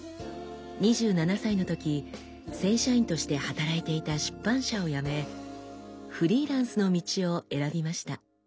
２７歳のとき正社員として働いていた出版社を辞めフリーランスの道を選びました。